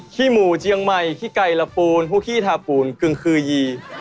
ขี้หมู่เจียงใหม่ขี้ไก่ละปูนผู้ขี้ทาปูนกึงคือยี